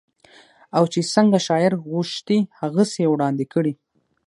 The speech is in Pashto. او چې څنګه شاعر غوښتي هغسې يې وړاندې کړې